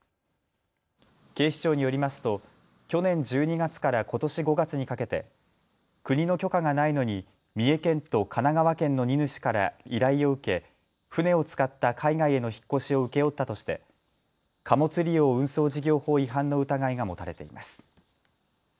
警視庁によりますと去年１２月からことし５月にかけて国の許可がないのに三重県と神奈川県の荷主から依頼を受け船を使った海外への引っ越しを請け負ったとして貨物利用運送事業法違反の疑いが持たれています。